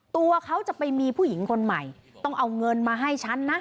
ตัวเขาจะไปมีผู้หญิงคนใหม่ต้องเอาเงินมาให้ฉันนะ